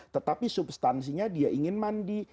tetapi substansinya dia ingin mandi